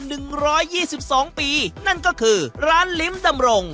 หนึ่งร้อยยี่สิบสองปีนั่นก็คือร้านลิ้มดำรง